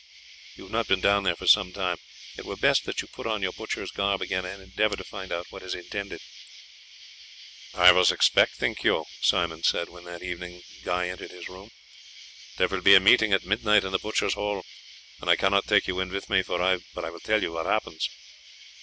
You have not been down there for some time; it were best that you put on your butcher's garb again and endeavour to find out what is intended." "I was expecting you," Simon said, when that evening Guy entered his room. "There will be a meeting at midnight in the butchers' hall, and I cannot take you in with me, but I will tell you what happens."